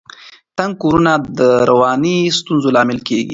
تنګ کورونه د رواني ستونزو لامل کیږي.